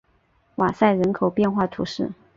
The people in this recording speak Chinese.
瓦塞人口变化图示